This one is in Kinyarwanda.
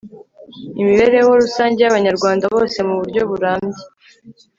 imibereho rusange y'abanyarwanda bose mu buryo burambye